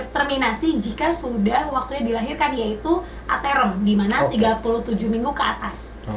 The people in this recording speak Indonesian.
terminasi jika sudah waktunya dilahirkan yaitu atherem di mana tiga puluh tujuh minggu ke atas